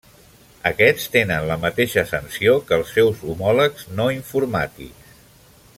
Aquests tenen la mateixa sanció que els seus homòlegs no informàtics.